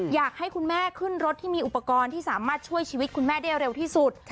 อยากให้คุณแม่ขึ้นรถที่มีอุปกรณ์ที่สามารถช่วยชีวิตคุณแม่ได้เร็วที่สุด